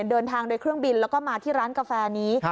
เดินทางโดยเครื่องบินแล้วก็มาที่ร้านกาแฟนี้